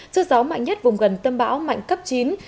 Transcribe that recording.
sức gió mạnh nhất vùng gần tâm bão mạnh cấp chín